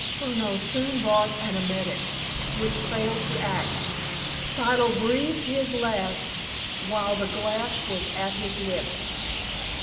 Furneaux soon brought an emetic, which failed to act. Siddle breathed his last while the glass was at his lips.